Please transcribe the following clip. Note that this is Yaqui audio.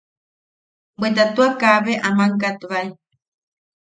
Bweta tua kaabe aman katbae.